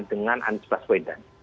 dengan anies bassoya dan